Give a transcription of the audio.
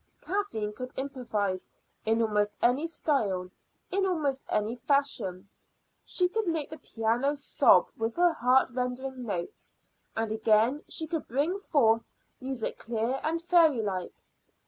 Kathleen could improvise in almost any style, in almost any fashion. She could make the piano sob with her heart rendering notes; and again she could bring forth music clear and fairy like.